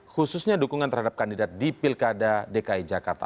khususnya dukungan terhadap kandidat di pilkada dki jakarta